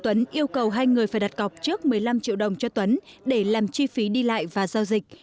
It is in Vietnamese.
tuấn yêu cầu hai người phải đặt cọc trước một mươi năm triệu đồng cho tuấn để làm chi phí đi lại và giao dịch